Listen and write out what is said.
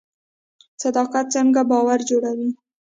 صداقت څنګه باور جوړوي؟